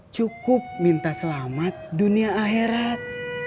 cukup minta selamat dunia akhirat